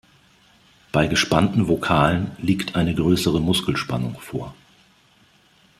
Bei gespannten Vokalen liegt eine größere Muskelspannung vor.